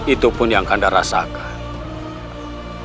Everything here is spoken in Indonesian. itu pun yang kakanda rasakan